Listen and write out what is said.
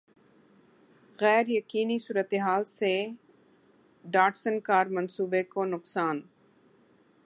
غیریقینی صورتحال سے Datsun car منصوبے کو نقصان